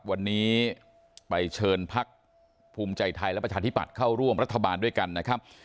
วันนี้ไปเชิญพักภูมิใจไทยและประชาธิบัติเข้าร่วมรัฐบาลด้วยกันนะครับ